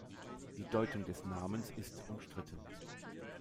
Die Deutung des Namens ist umstritten.